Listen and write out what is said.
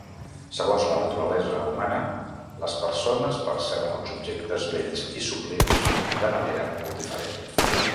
Segons la naturalesa humana, les persones perceben els objectes bells i sublims de manera molt diferent.